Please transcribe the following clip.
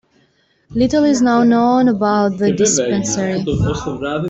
Little is now known about the Dispensary.